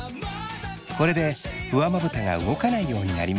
これで上まぶたが動かないようになります。